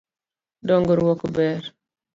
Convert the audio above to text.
Dongruok ber.